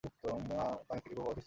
মা পানি থেকে সুস্থ অবস্থায়ই উঠেছিল।